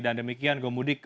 dan demikian gomudik